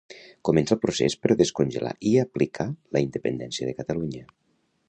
Comença el procés per descongelar i aplicar la independència de Catalunya